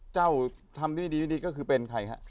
เจ้าทำที่ดีก็คือเป็นใครฮะ